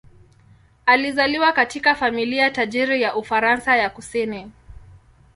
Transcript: Alizaliwa katika familia tajiri ya Ufaransa ya kusini.